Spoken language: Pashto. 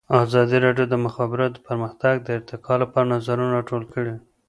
ازادي راډیو د د مخابراتو پرمختګ د ارتقا لپاره نظرونه راټول کړي.